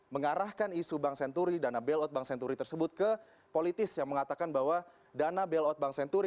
mengarahkan isu bank senturi dana bailout bank senturi tersebut ke politis yang mengatakan bahwa dana bailout bank senturi